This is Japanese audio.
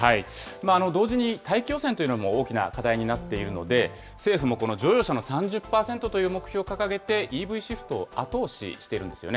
同時に大気汚染というのも大きな課題になっているので、政府もこの乗用車の３０％という目標を掲げて、ＥＶシフトを後押ししているんですよね。